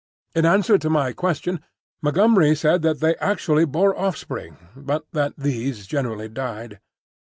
In answer to my question, Montgomery said that they actually bore offspring, but that these generally died.